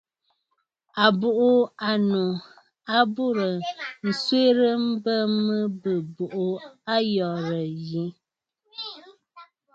À bùʼû ànnnù a burə nswerə mbə mə bɨ̀ buʼu ayɔ̀rə̂ yi.